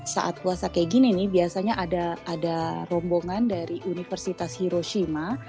saat puasa kayak gini nih biasanya ada rombongan dari universitas hiroshima